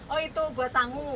oh itu buat sangu